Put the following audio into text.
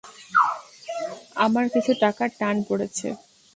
আমার কিছু টাকার টান পড়েছে।